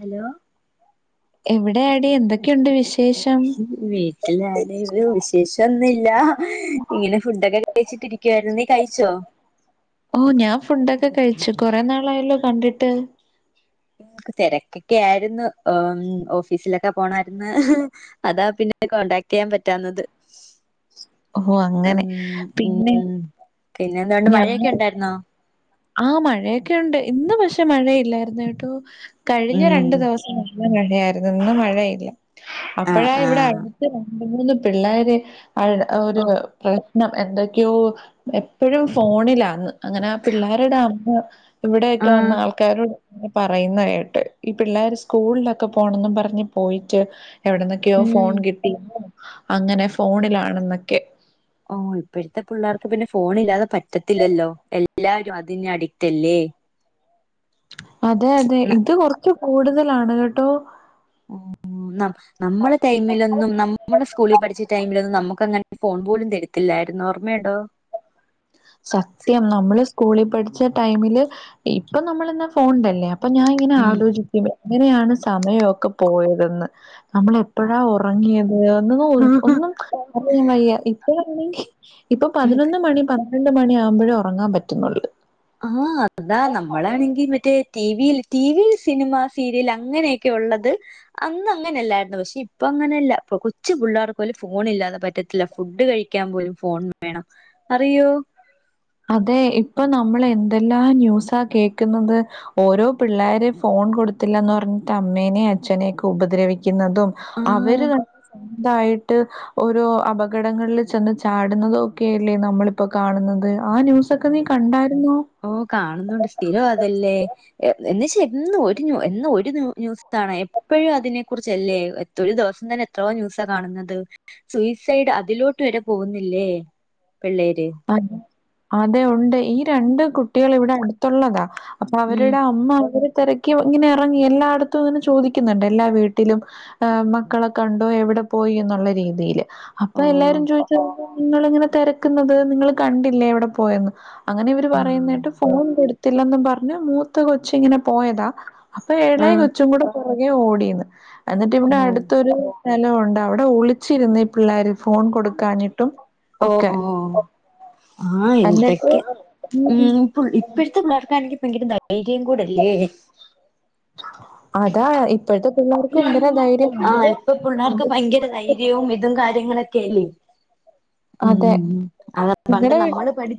Hello. എവിടാ ടീ എന്തൊക്കെയുണ്ട് വിശേഷം? വീട്ടിൽ ആടീ ര്‌ വിശേഷൊന്നുല്ല ഇങ്ങനെ ഫുഡൊക്കെ കഴിച്ചിട്ടിരി ക്യാരുന്നു നീ കഴിച്ചോ? ഓ ഞാൻ ഫുഡൊക്കെ കഴിച്ചു കൊറെേ നാളായല്ലോ കണ്ടിട്ട്? തെരക്കൊക്കെ ആയിരുന്നു ഓഫീസിലൊക്കെ പോണാര്ന്ന്. അതാ പിന്നെ കോണ്ടാക്ട് ചെയ്യാൻ പറ്റാന്നത്. ഓ അങ്ങനെ പിന്നെ ഉം പിന്നെ എന്തൊണ്ട് മഴയൊക്കെ ഉണ്ടായിരുന്നോ ആഹ് മഴയൊക്കെണ്ട് ഇന്ന് പക്ഷെ മഴയില്ലായിരുന്ന കേട്ടോ കഴിഞ്ഞ രണ്ടു ഉം ദിവസം നല്ല മഴയായിരുന്നു ഇന്നും മഴയില്ല ആഹ് അപ്പഴാ ഇവിടെ ആഹ് അട്ത്ത് മൂന്ന് പിള്ളേര് ഒരു ഓ എന്തൊക്കെയോ എപ്പോഴും ഫോണിലാന്ന് അങ്ങനെ പിള്ളേരുടെ അമ്മ ഇവിടെയൊക്കെ വന്ന ആഹ് ആൾക്കാരോട് പറയുന്നതായിട്ട് ഈ പിള്ളേർ സ്കൂളിലൊക്കെ പോണെന്നും പറഞ്ഞ് പോയിട്ട് എവിടന്നൊക്കെയോ ഉം ഫോൺ കിട്ടി അങ്ങനെ ഫോണിലാണെന്നൊക്കെ ഓ ഇപ്പോഴത്തെ പിള്ളേർക്ക് പിന്നെ ഫോൺ ഇല്ലാതെ പറ്റത്തില്ലല്ലോ എല്ലാരരും അതിന്ന് അഡിക്റ്റ് അല്ലേ അതെ അതെ ഇത് കൊറച്ച് കൂടുതലാണ് കേട്ടോ നമ്മളെ ടൈമിലൊന്നും നമ്മള സ്കൂളിൽ പഠിച്ച ടൈമിലൊന്നും നമുക്കങ്ങന ഫോൺ പോലും തരത്തില്ലായിരുന്നു ഓർമ്മയുണ്ടോ സത്യം നമ്മള് സ്കൂളിൽ പഠിച്ച ടൈമില് ഇപ്പൊ നമ്മൾന്നാ ഫോൺണ്ടല്ലേ അപ്പൊ ഞാൻ ഇങ്ങനെ ഉം ആലോചിക്കും അങ്ങനെയാണ് സമയമൊക്കെ പോയതെന്ന് നമ്മള എപ്പോഴാ ഉറങ്ങിയത് എന്ന ഒന്നും ഞൻ വയ്യ ഇപ്പഴാണെങ്കിൽ ഇപ്പൊ ഉം പതിനൊന്ന് മണി പന്ത്രണ്ട് മണി ആകുമ്പോഴേ ഉറങ്ങാൻ പറ്റുന്നുള്ളൂ ആഹ് അതാ നമ്മളാണെങ്കിൽ മറ്റേ ടിവിയിൽ ടിവിൽ സിനിമ സീരിയൽ അങ്ങനെയൊക്കെ ഉള്ളത് അന്ന അങ്ങനെയല്ലായിരുന്നു പക്ഷെ ഇപ്പ അങ്ങനെയല്ല ഇ കൊച്ചു പിള്ളേർക്ക് പോലും ഫോൺ ഇില്ലാതെ പറ്റത്തില്ല ഫുഡ് കഴിക്ക ക്കാൻ പോലും ഫോൺ വേണം അറിയോ അതെ ഇപ്പൊ നമ്മൾ എന്തെല്ലാം ന്യൂസാ കേക്കുന്നത് ഓരോ പിള്ളോര് ഫോൺ കൊടുത്തില്ലന്ന് പറഞ്ഞിട്ട് അമ്മേനേ അച്ഛനെയൊക്കെ ഉപദ്രവിക്കുന്നതും അവര് ആഹ് നല്ല സ്വന്തായിട്ട് ഓരോ അപകടങ്ങളിൽ ചെന്ന് ചാടുന്നത് ഒക്കെല്ലേ നമ്മളിപ്പോ കാണുന്നത്. ആ ന്യൂസൊക്കെ നീ കണ്ടായിരുന്നോ? ഓ കാണുന്നുണ്ട് സ്ഥിരം അതല്ലേ. എന്നുവച്ചാ എന്നും ഒരു ഒരു ന്യൂസാണ് എപ്പോഴും അതിനെ കുറിച്ചല്ലേ. ഒരു ദിവസം തന്നെ എത്രോ ന്യൂസാ കാണുന്നത് സൂയിസൈഡ് അതിലോട്ട് വരെ പോകുന്നില്ലേ. പിള്ളേര്. അ അതെ ഉണ്ട് ഈ രണ്ട് കുട്ടികൾ ഇവിടെ അടുത്തുള്ളതാ. അപ്പൊ ഉം. അവരുടെ അമ്മ അവരെ തിരക്കി ഇങ്ങനെ ഇറങ്ങി എല്ലായിടത്തും അങ്ങനെ ചോദിക്കുന്നുണ്ട് എല്ലാ വീട്ടിലും. മക്കളെ കണ്ടോ എവിടെ പോയി എന്നുള്ള രീതിയില്. ഓ അപ്പൊ എല്ലാരും ചോദിച്ച് നിങ്ങളിങ്ങനെ തിരക്കുന്നത്. നിങ്ങള് കണ്ടില്ലേ എവിടെ പോയന്ന് അങ്ങനെ ഇവർ പറയുന്ന ആഹ് കേട്ട് ഫോൺ ത്തില്ലെന്നും പറഞ്ഞ് മൂത്ത് കൊച്ച് ഇങ്ങനെ പോയതാ. അപ്പൊ ഇളയ ആഹ് കൊച്ചും കൂടെ പുറകെ ഓടിന്ന്. എന്നിട്ട് ഇവിടെ ഓഹ് അടുത്തൊരു സ്ഥലമുണ്ട് അവിടെ ഒളിച്ചിരുന്ന് ഈ പിള്ളേറ്. ഫോൺ കൊടുക്കഞ്ഞിട്ടും ഒക്കെ. ആ എന്നിട്ട് എന്തൊക്കെ ആഹ്. ഉം ഇപ്പോഴത്തെ പിള്ളേർക്ക് ആണെങ്കി ഭയങ്കര ധൈര്യം കൂടല്ലേ. അതാ ഇ ഇപ്പോഴത്തെ പിള്ളേർക്ക്. എന്തിനാ ധൈര്യം ആഹ് ആരും ഇപ്പ പിള്ളേർക്ക് ഭയങ്കര ധൈര്യവും ഇതും കാര്യങ്ങളൊക്കെല്ലേ അതെ ഉം അത പണ്ട് നിങ്ങടെ വീ നമ്മള് പഠി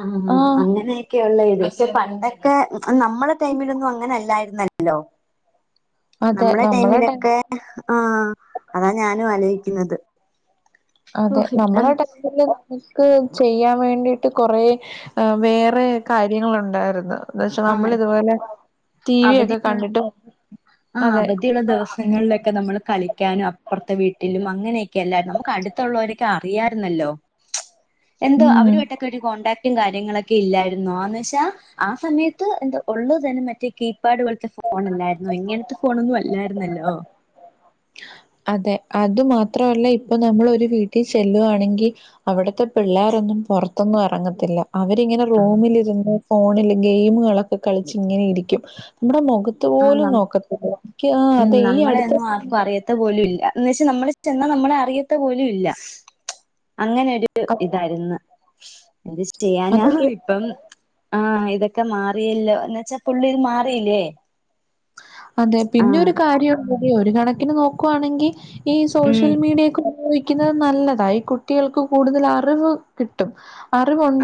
ആഹ് അങ്ങനെ. ക്കെയുള്ള ഇത് പക്ഷെ പണ്ടൊക്കെ നമ്മളെ ടൈമിലൊന്നും അങ്ങനെ അല്ലായിരുന്നല്ലോ. അതെ നമ്മളെ ടൈ ടൈമിലൊക്കെ ആ അതാ ഞാനും ആലോചിക്കുന്നത്. അതെ നമ്മള് ഇപ്പം അടക്കില്ലേ. നിക്ക് ചെയ്യാൻ വേണ്ടിട്ട് കുറെ വേറെ കാര്യങ്ങളുണ്ടായിരുന്നു. എന്ന് വച്ച ആഹ് നമ്മള് ഇതുപോലെ ടി വി അവധി ഒക്കെ കണ്ടിട്ട് അതെ. ചില ദിവസ പ്രദേശങ്ങളിലൊക്കെ നമ്മള് കളിക്കാനും അപ്പുറത്തെ വീട്ടിലും അങ്ങനെയൊക്കെ അല്ലേ നമുക്ക് അടുത്തുള്ളവരൊക്കെ അറിയായിരുന്നല്ലോ. എന്തോ ഉം അവരുമായിട്ടൊക്കെ ഒരു കോൺടാക്ടും കാര്യങ്ങളൊക്കെ ഇല്ലായിരുന്നോ, ആന്ന് വെച്ചാ ആ സമയത്ത്. അത് എന്തോ ഉള്ളത് തന്നെ മറ്റേ കീപാഡ് പോലത്തെ ഫോൺ അല്ലായിരുന്നോ ഇങ്ങനത്തെ ഫോണൊന്നും അല്ലായിരുന്നല്ലോ. അതെ അത് മാത്രല്ല ഇപ്പൊ നമ്മള് ഒരു വീട്ടിൽ ചെല്ലുവാണെങ്കിൽ. അവിടത്തെ പിള്ളോരൊന്നും പുറത്തൊന്നും ഇറങ്ങത്തില്ല. അവരിങ്ങനെ ആഹ് റൂമിലിരുന്ന് ഫോണിൽ ഗെയിമുകളൊക്കെ കളിച്ച് ഇങ്ങനെ ഇരിക്കും. നമ്മുടെ മുഖ മുഖത്ത് നമ്മ പോലും നോക്കത്തില്ല. എനിക്ക് ആ ഉം അതെ ഈ നമ്മളെ അടുത്ത ഒന്നും ആർക്കും സമയത്ത്. അറിയത്ത പോലും ഇല്ല എന്ന് വെച്ചാൽ നമ്മള് ചെന്നാൽ നമ്മളെ അറിയാത്ത പോലും ഇല്ല. അങ്ങനെ ഒരു ഇതായിരുന്നു എന്ത് ചെയ്യാനാ അതെ ഈ ഇപ്പം ആ ഇതൊക്കെ മാറിയല്ലോ. എന്നുവച്ചാ പുള്ളേര് മാറിയില്ലേ. അതെ പിന്നെ ആഹ് ഒരു കാര്യം കൂടി ഒരു കണക്കിന് നോക്കുവാണെങ്കിൽ ഈ ഉം സോഷ്യൽ മീഡിയയൊക്കെ. ഉപയോഗിക്കുന്നത് നല്ലതാ ഈ കുട്ടികൾക്ക് കൂടുതൽ അറിവ് കിട്ടും.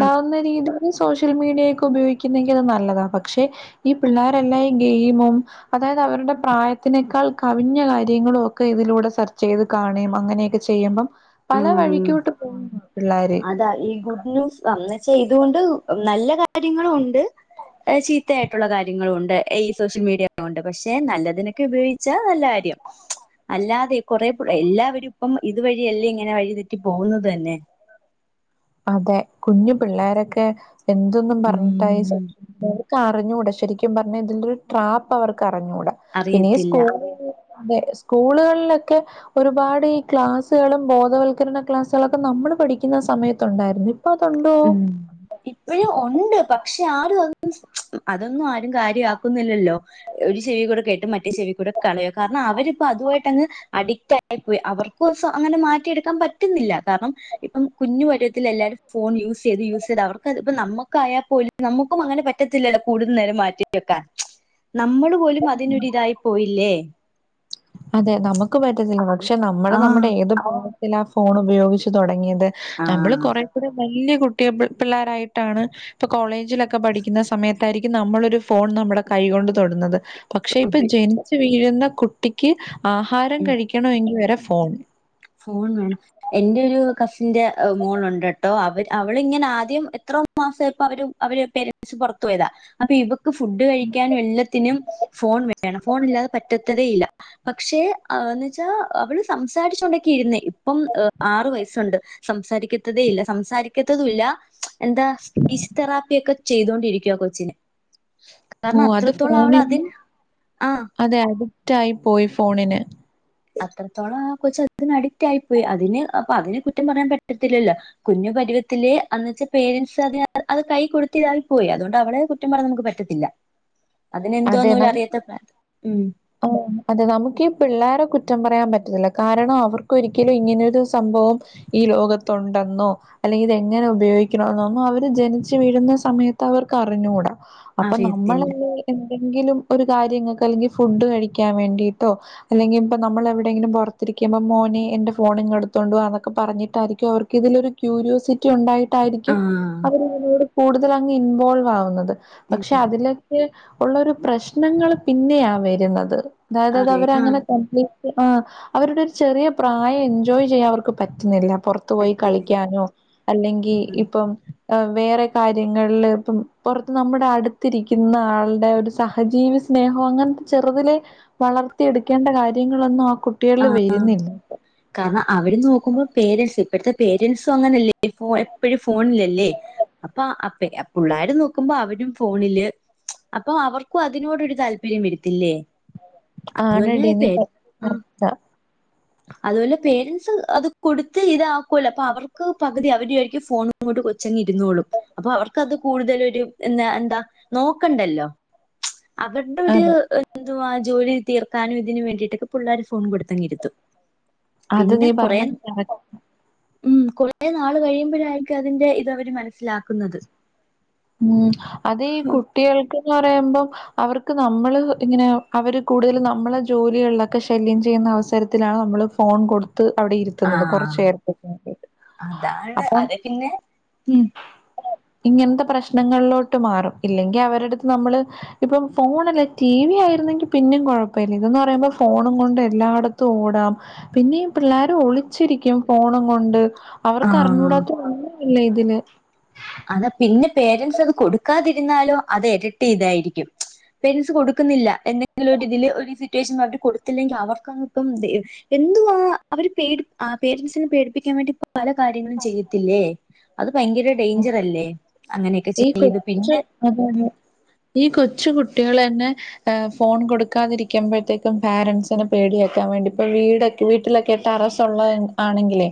ആ രീതിൽ സോഷ്യൽ മീഡിയയൊക്കെ ഉപയോഗിക്കുന്നെങ്കിൽ അത് നല്ലതാ. പക്ഷെ ഈ പിള്ളോരല്ലാം ഈ ഗെയിമും. അതായത് അവരുടെ പ്രായത്തിനേക്കാൾ കവിഞ്ഞ കാര്യങ്ങളും ഒക്കെ ഇതിലൂടെ സെർച്ച് ചെയ്ത് കാണുകയും അങ്ങനെയൊക്കെ ചെയ്യുമ്പം, പല ആഹ് വഴിക്കോട്ട് പോകുന്നു പിള്ളാര്. അതാ ഈ ഗുഡ് ന്യൂസ് അന്ന് ചെയ്തു കൊണ്ട് നല്ല കാര്യങ്ങളും ഉണ്ട്. ചീത്തയായിട്ടുള്ള കാര്യങ്ങളും ഉണ്ട്. ഈ സോഷ്യൽ മീഡിയ ഉള്ളകൊണ്ട് പക്ഷെ നല്ലതിനൊക്കെ ഉപയോഗിച്ചാൽ നല്ല കാര്യം. അല്ലാതെ കൊറെ കൂടെ എല്ലാവരും ഇപ്പം ഇതുവഴില്ലേ ഇങ്ങനെ വഴി തെറ്റി പോകുന്നത് തന്നെ. അതെ കുഞ്ഞു പിള്ളോരൊക്കെ എന്തൊന്നും പറഞ്ഞ്. ഉം അറിഞ്ഞൂട ശരിക്കും പറഞ്ഞാൽ ഇതിന്റൊരു ട്രാപ്പ് അവർക്ക് അറിഞ്ഞൂടാ പിന്നെ ഈ അറിയത്തില്ല സ്കൂള അതെ സ്കൂളുകളിലൊക്കെ ഒരുപാട് ഈ ക്ലാസ്സുകളും ബോധവൽക്കരണ ക്ലാസ്സുകളൊക്കെ നമ്മൾ പഠിക്കുന്ന സമയ ത്ത് ഉണ്ടായിരുന്നു ഇപ്പൊ അതുണ്ടോ? ഇപ്പോഴും ഉണ്ട് പക്ഷെ ആരും ഒന്ന് അതൊന്നും ആരും കാര്യമാക്കുന്നില്ലല്ലോ. ഒരു ചെവി കൂടെ കേട്ട് മറ്റേ ചെവി കൂടെ കളയ കാരണം അവരിപ്പ അതുമായിട്ടങ്ങ് അഡിക്റ്റ് ആയിപ്പോയി അവർക് അങ്ങനെ മാറ്റിയെടുക്കാൻ പറ്റുന്നില്ല കാരണം ഇപ്പം കുഞ്ഞു പരിവത്തി എല്ലാരും ഫോൺ യൂസ് ചെയ്ത് യൂസ് ചെയ്ത് അവർക്ക് ഇപ്പ നമുക്ക് ആയാൽ പോലും നമുക്കും അങ്ങനെ പറ്റത്തില്ലല്ലോ കൂടുതൽ നേരം മാറ്റി. ക്കാൻ നമ്മൾ പോലും അതിന്റെ ഒരു ഇതായി പോയില്ലേ. അതെ നമുക്ക് പറ്റത്തില്ല. പക്ഷെ നമ്മള് ആ നമ്മുടെ ഏത് ഭാഗത്തിലാ ആ ഫോൺ ഉപയോഗിച്ച് തുടങ്ങിയത്. ആ നമ്മള് കുറെ കൂടെ വല്യ കുട്ടിയ പിള്ളോരായിട്ടാണ് ഇപ്പൊ കോളേജിലൊക്കെ പഠിക്കുന്ന സമയത്തായിരിക്കും നമ്മളൊരു ഫോൺ നമ്മുടെ കൈകൊണ്ട് തൊടുന്നത്. പക്ഷെ ഇപ്പൊ ജനിച്ചു വീഴുന്ന കുട്ടിക്ക് ആഹാരം ഉം. കഴിക്കണങ്കിൽ വരെ ഫോൺ. ഫോൺ വേണം എന്റെ ഒരു കസിന്റെ മോളുണ്ട് ട്ടോ അവര് അവളിങ്ങനെ ആദ്യം എത്രോ മാസപ്പ അവര് അവര് പേരൻസ് പുറത്തു പോയതാ അപ്പൊ ഇവക്ക് ഫുഡ് കഴിക്കാനും എല്ലാത്തിനും ഫോൺ വേണം ഫോൺ ഇല്ലാതെ പറ്റ തയില്ല പക്ഷേ ന്ന് വെച്ചാ അവള് സംസാരിച്ച് കെ രുന്നേ ഇപ്പം ആറു വയസ്സുണ്ട് സംസാരിക്കത്തതേ ഇല്ല സംസാരിക്കത്തതും ഇല്ല. എന്താ ഫിസ് തെറാപ്പിയക്കെ ചെയ്തൊണ്ടിരിക്കുവ കൊച്ചിന് കാരണം ഓഹ്! അത് അത്രത്തോളം ആള് ഫോണിന് അതിൽ ആഹ് അതെ അഡിക്റ്റ് ആയി പോയി ഫോണിന്. അത്രത്തോളം ആ കൊച്ച് അതിന് അഡിക്റ്റ് ആയിപ്പോയി അതിന് അപ്പൊ അതിനെ കുറ്റം പറയാൻ പറ്റത്തില്ലല്ലോ. കുഞ്ഞു പരുവത്തില് അന്ന്വച്ച പേരൻസ് അ ത് അത് കൈ കൊടുത്തിതായി പോയി അതുകൊണ്ട് അവളെ കുറ്റം പറയാൻ നമുക്ക് പറ്റത്തില്ല. അതിനെന്തോന്ന പോല അറിയാത്ത മ് ആ അതെ നമുക്ക് പിള്ളേരെ കുറ്റം പറയാൻ പറ്റത്തില്ല കാരണം അവർക്ക ഒരിക്കലും ഇങ്ങനെരു സംഭവം ഈ ലോകത്തുണ്ടെന്നോ അല്ലെങ്കിൽ ഇത എങ്ങനെ ഉപയോഗിക്കണന്നു അവര് ജനിച്ചു വീഴുന്ന സമയത്ത് അവർക്ക് അറിഞ്ഞുടാ. അപ്പൊ അറിയത്തില്ല നമ്മളല്ല എന്തെങ്കിലും ഒരു കാര്യങ്ങൾക്ക് അല്ലെങ്കിൽ ഫുഡ് കഴിക്കാൻ വേണ്ടിട്ടോ അല്ലെങ്കി ഇപ്പ നമ്മളെവടെങ്കിലും പൊറത്തിരിക്കുമ്പോ മോനെ എന്റെ ഫോണിങ്ങെടുത്തോണ്ടവാ എന്നൊക്കെ പറഞ്ഞിട്ടായിരിക്കും അവർക്ക് ഇതിലൊരു ക്യൂരിയോസിറ്റി ആ ഒണ്ടായിട്ടാരിക്കും അവരതിനോട് കൂടുതലങ്ങ് ഇൻവോൾവ് ആവുന്നത്. ഉം, പക്ഷേ അതിലൊക്കെ ഒള്ളൊരു പ്രശ്നങ്ങള് പിന്നെയാ വരുന്നത്. അതായതത് അറി ആ അവരങ്ങനെ കം ആഹ് അവരുടെ ഒരു ചെറിയ പ്രായം എൻജോയ് ചെയ്യാൻ അവർക്ക് പറ്റുന്നില്ല പൊറ ത്ത് പോയി പറ്റുന്നില്ല കളിക്കാനോ അല്ലെങ്കി ഇപ്പം വേറെ കാര്യങ്ങളില് ഇപ്പം പൊറത്ത് നമ്മടെ അടുത്തിരിക്കുന്ന ആള്ടെ ഒരു സഹജീവി സ് സ്നേഹോ അങ്ങനത്തെ ചെറുതിലെ വളർത്തിയ എടുക്കേണ്ട കാര്യങ്ങളൊന്നും ആ കുട്ടികളിൽ വരുന്നില്ല. കാരണം അവര് നോക്കുമ്പോ പേരൻസ് ഇപ്പോത്തെ പേരൻസും അങ്ങനെയല്ലേ ഫോ എപ്പഴും ഫോണില്ലല്ലേ അപ്പോ അപ്പേ പുള്ളാര് നോക്കുമ്പോ അവരും ഫോണില്. അപ്പോ അവർക്കും അതിനോടൊരു താല്പര്യം വരുത്തില്ലേ ആണെടി നീ പ ആ അതുപോലെ പേരൻസ് അത് കൊടുത്ത് ഇതാക്കുല്ലോ അപ്പോ അവർക്ക് പകുതി അവര് വിചാരിക്കും ഫോണ് ങ്ങോട്ട് കൊച്ചങ്ങ് ഇരുന്നോളും അപ്പോ അവർക്കത് കൂടുതലൊരു എന്താ എന്താ നോക്കണ്ടല്ലോ. അവർടൊരു അതെ എന്തുവാ ജോലി തീർക്കാനും ഇതിന് വേണ്ടിയിട്ടൊക്കെ പുള്ളരെ ഫോൺ കൊടുത്തങ്ങിരുത്തും. അത് പിന്നെ നീ കൊറേ പറഞ്ഞത് കറ ഉം കൊറേ നാള് കഴിയുമ്പോഴാരിക്കും അതിന്റെ ഇതവര് മനസ്സിലാക്കുന്നത്. ഉം അത് ഈ കുട്ടികൾക്ക്ന്ന് പറയുമ്പം അവർക്ക് നമ്മള് ഇങ്ങനെ അവര് കൂടുതൽ നമ്മളെ ജോലികളിലൊക്കെ ശല്യം ചെയ്യുന്ന അവസരത്തിലാണ് നമ്മള് ഫോൺ കൊടുത്ത് അവടെ ഇരുത്തുന്നത് കൊറച്ച് ആഹ് എരത്തെങ്കിലും അതാണ് അതെപ്പിന്നെ ഉം ഇങ്ങനത്തെ പ്രശ്നങ്ങളിലോട്ട് മാറും ഇല്ലെങ്കിൽ അവരടുത്ത് നമ്മള് ഇപ്പം ഫോണല്ല ടി വി ആയിരുന്നെങ്കി പിന്നേം കൊഴപ്പില്ല ഇതന്ന് പറയുമ്പോ ഫോണും കൊണ്ട് എല്ലാട ത്തും ഓടാം പിന്നെ പിള്ളേരും ഒളിച്ചിരിക്കും ഫോണും കൊണ്ട് ആഹ് അവർക്കറിഞ്ഞൂടാത്ത ഒന്നും ഇല്ല ഇതില് അത് പിന്നെ പേരൻസ് അത് കൊടുക്കാതിരുന്നാലോ അത് എരട്ടി ഇതായിരിക്കും പേരൻസ് കൊടുക്കുന്നില്ല എന്തെങ്കിലും ഒരു ഇതില് ഒരു സിറ്റുവേഷൻ വന്നിട്ട് കൊടുത്തില്ലെങ്കിൽ അവർക്കങ്ങിപ്പം എന്തുവാ അവര് പേടി ആഹ് പേരൻസിനെ പേടിപ്പിക്കാൻ വേണ്ടി പല കാര്യങ്ങളും ചെയ്യത്തില്ലേ അത് പയങ്കര ഡേഞ്ചറല്ലേ അങ്ങനെയൊക്കെ ചെയ്ത് പിന്നെ ഉം, അതെതെ ഈ കൊച്ചു കുട്ടികളന്നെ ഏഹ് ഫോൺ കൊടുക്കാതിരിക്കുമ്പോഴത്തേക്കും പാരൻസിനെ പേടിയാക്കാൻ വേണ്ടി ഇപ്പ വീടെ വീട്ടിലൊക്കെടറസോള്ള ആണെങ്കിലേ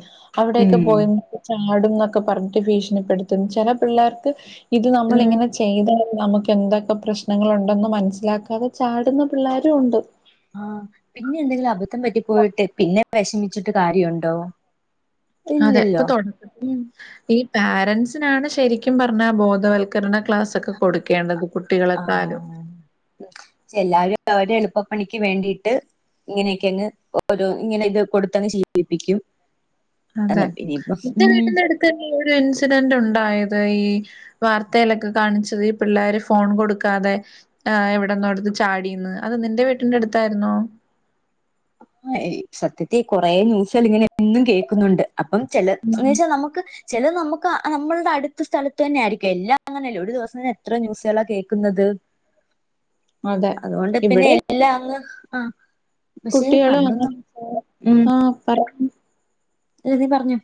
ഉം അവടെക്കെ പോയി നിന്ന് ചാടും എന്നൊക്കെ പറഞ്ഞിട്ട് ഭീഷണിപ്പെടുത്തും ചെല പിള്ളേർക്ക് ഇത് ഉം, നമ്മളിങ്ങനെ ചെ ചെയ്താ നമുക്ക് എന്തൊക്കെ പ്രശ്നങ്ങലുണ്ടെന്നു മനസ്സിലാക്കാതെ ചാടുന്ന പിള്ളേരും ഒണ്ട് ആഹ് പിന്നെ എന്തെങ്കിലും അബദ്ധം പറ്റിപ്പോയിട്ട് പിന്നെ വേഷമിച്ചിട്ട് കാര്യണ്ടോ അതെ ഇപ്പോ [inaudible] ഈ പാരൻസിനാണ് ശെരിക്കും പറഞ്ഞ ബോധവൽക്കരണ ക്ലാസക്കെ കൊടുക്കേണ്ടത് കുട്ടികളെക്കാലും. ആഹ് ചെല്ലാരും അവര്ടെ എളുപ്പപ്പണിക്ക് വേണ്ടിട്ട് ഇങ്ങനെക്കെങ്ങ് ഓരോ ഇങ്ങനെക്കെ കൊടുത്തങ്ങ് ശീലിപ്പിക്കും അത് അതെ ഇനിയിപ്പം ഇന്റെ ഉം വീട്ടന്റെടുത്ത് ഒരു ഇൻസിഡന്റ് ഒണ്ടായത് ഈ വാർത്തെലൊക്കെ കാണിച്ചത് ഈ പിള്ളേര് ഫോൺ കൊടുക്കാതെ ആഹ് എവിടെന്നോടുത്ത് ചാടീന്ന് അത് നിന്റെ വീട്ടിന്റെ അടുത്തായിര്ന്നോ ആഹ് ഇ സത്യത്തികൊറെ ന്യൂസുകൾ ഇങ്ങനെഎന്നും കേക്കുന്നോണ്ട് അപ്പം ചെല എന്ന് വെച്ചാ നമുക്ക് ചെലത് നമുക്ക് മ്മള്ടെ അടുത്ത സ്ഥലത്ത് തന്നെയാരിക്കും എല്ലാം അങ്ങനെയല്ലേ ഒരു ദിവസ തന്നെ എത്ര ന്യൂസുകളാ കേക്കുന്നത് [inaudible] അതെ അതുകൊണ്ട് പിന്നെ ഇവിടെ എല്ലാം അങ്ങ് ആഹ് പഷേ [inaudible] ആഹ് പറഞ്ഞു അല്ല നീ പറഞ്ഞോ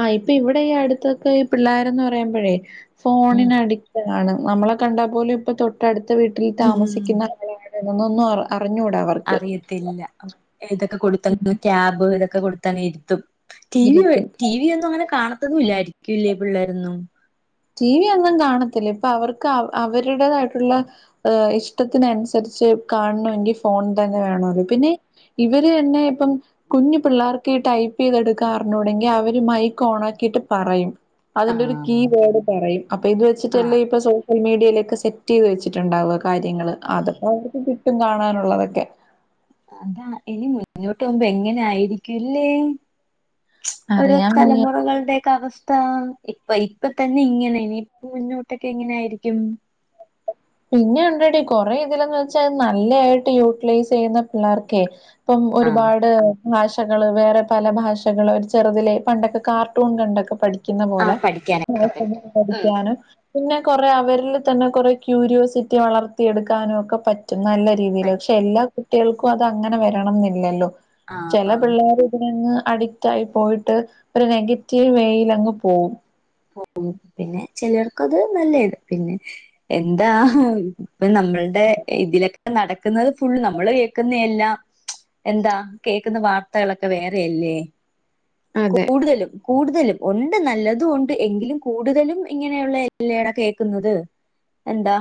ആഹ് ഇപ്പൊ ഇവിടെ ഈ അടുത്തൊക്കെ ഈ പിള്ളോരന്ന് പറയ്മ്പഴേ ഫോണി ഉം ന് അടിറ്റ ആണ് നമ്മളെ കണ്ടാ പോലും ഇപ്പൊ തൊട്ടടുത്ത വീട്ടിൽ ഉം താമസിക്കുന്ന നൊന്നുംഅറി അറിഞ്ഞൂടാവർ അറിയത്തില്ല ഇതൊക്കെ കൊടുത്ത ഉം ട്യാബ് ഇതൊക്കെ കൊടുത്തങ്‌രുത്തും ടിവി ഇരുത്ത് ടിവി ഒന്നും അങ്ങനെ കാണാത്തതുംല്ലായിരിക്കുംല്ലേ പിള്ളേരൊന്നും ടിവി ഒന്നും കാണത്തില്ല ഇപ്പൊ അവർക്ക് അവരുടേതായിട്ടുള്ള ഇഷ്ടത്തിനനുസരിച്ച് കാണണ മെങ്കിൽ ഫോണ് തന്നെ വേണല്ലോ പിന്നെ ഇവര്ന്നെ ഇപ്പം കുഞ്ഞു പിള്ളേർക്ക് ഈ ടൈപ്പ് ചെയ്തെടുക്കാ റിഞ്ഞൂടെങ്കിൽ അവര് മൈക്ക് ഓൺ ആക്കിയിട്ട് പറയും ആ അതിന്റെ ഒരു കീവേഡ് പറയും അപ്പൊ ഇത് ആ വെച്ചിട്ടല്ലേ ഇപ്പൊ സോഷ്യൽ മീഡിയിലൊക്കെ സെറ്റ് ചെയ്ത് വെച്ചിട്ടുണ്ടാവ കാര്യങ്ങൾ അതൊപ്പോൾ അവർക്ക് കിട്ടും കാണാനുള്ളതൊക്കെ അതാ ഇനി മുന്നോട്ടോകുമ്പോ എങ്ങനെ ആയിരിക്കുംല്ലേ അറിയാൻ വയ്യ ഒരുതലമുറകളുടെക്കെ അവസ്‌ താ ഇപ്പ ഇപ്പതന്നെ ഇങ്ങനെ ഇനിപ്പൊ മുന്നോട്ടൊക്കെ എങ്ങനായിരിക്കും പിന്നെ ഉണ്ടടി കൊറെ ഇതിലന്ന്ച്ചാ നല്ലായിട്ടു യൂട്ടിലൈസ് ചെയ്യുന്ന പിള്ളാർക്കെ പ്പം ആഹ് ഒരുപാട് ഭാഷകള് വേറെ പല ഭാഷകള് ഒരു ചെറുതിലെ പണ്ടൊക്കെ കാർട്ടൂൺ കണ്ടൊക്കെ പഠിച്ച ക്കുന്നപോലെ ആഹ് പിന്നെ പഠിക്കാനൊക്കെ പിന്നെ പറ്റും ഉം പഠിക്കാനും പിന്നെ കുറെ അവരിൽ തന്നെ കൊറേ ക്യൂരിയോസിറ്റി വളർത്തിയെടുക്കാനൊക്കെ പറ്റും നല്ല രീതിയിൽ പക്ഷെ എല്ലാ കുട്ടിൾക്കും അത് അങ്ങനെ വരണം ന്നില്ലല്ലോ ചെല പിള്ളേര് ങ് അഡിക്റ്റായി പോയിട്ട് ഒരു നെഗറ്റീവ് വേയിലങ്ങ് പോവും പോവും പിന്നെ ചെലർക്കത് നല്ലയ് പിന്നെ എന്താ ഇപ്പ നമ്മൾടെ ഇതിലൊക്കെ നടക്കുന്നത് ഫുൾ നമ്മള് ക്കുന്ന എല്ലാം എന്താ കേക്കുന്ന വാർത്തകളൊക്കെ വേറെയല്ലേ അതെ കൂടുതലും കൂടുതലും ഒണ്ട് നല്ലതൊണ്ട് ണ്ട് എങ്കിലും കൂടുതലും ഇങ്ങനെയുള്ള എല്ലെട കേക്കുന്നത് എന്താ